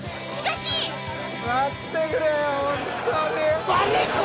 しかし！何！？